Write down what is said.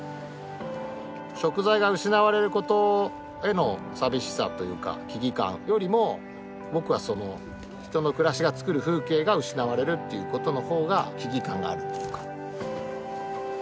食材が失われることへの寂しさというか危機感よりも僕はその人の暮らしがつくる風景が失われるっていうことの方が危機感があるっていうか。